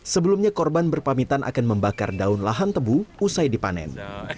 sebelumnya korban berpamitan akan membakar daun lahan tebu usai dipanen